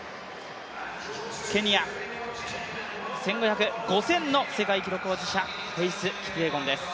ケニア、１５００、５０００の世界記録保持者、フェイス・キピエゴンです。